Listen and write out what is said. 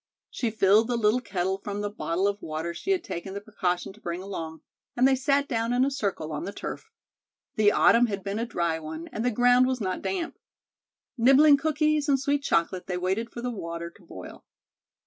She filled the little kettle from the bottle of water she had taken the precaution to bring along, and they sat down in a circle on the turf. The autumn had been a dry one, and the ground was not damp. Nibbling cookies and sweet chocolate, they waited for the water to boil.